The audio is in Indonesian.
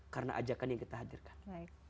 karena ajakan yang kita hadirkan